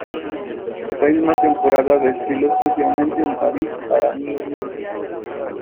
Esa misma temporada, desfiló exclusivamente en París para Miu Miu.